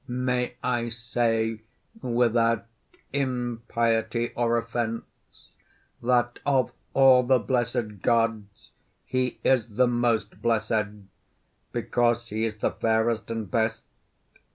May I say without impiety or offence, that of all the blessed gods he is the most blessed because he is the fairest and best?